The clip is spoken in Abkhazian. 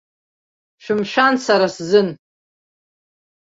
Шәымшәан сара сзы!